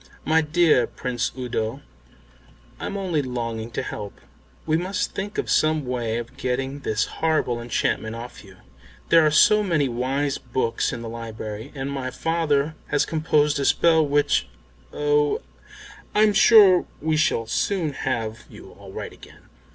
"My dear Prince Udo, I'm only longing to help. We must think of some way of getting this horrible enchantment off you. There are so many wise books in the library, and my father has composed a spell which oh, I'm sure we shall soon have you all right again."